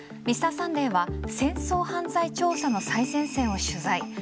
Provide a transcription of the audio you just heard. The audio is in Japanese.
「Ｍｒ．サンデー」は戦争犯罪調査の最前線を取材。